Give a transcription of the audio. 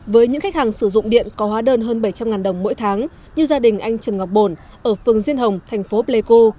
với những khách hàng sử dụng điện có hóa đơn hơn bảy trăm linh đồng mỗi tháng như gia đình anh trần ngọc bồn ở phường diên hồng thành phố pleiku